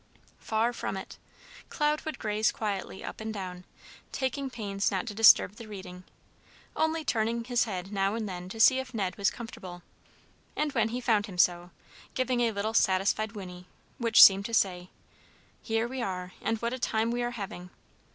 Far from it! Cloud would graze quietly up and down, taking pains not to disturb the reading, only turning his head now and then to see if Ned was comfortable, and when he found him so, giving a little satisfied whinny, which seemed to say, "Here we are, and what a time we are having!"